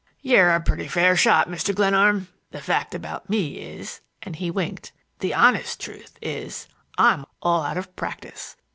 "You're a pretty fair shot, Mr. Glenarm. The fact about me is,"—and he winked,—"the honest truth is, I'm all out of practice.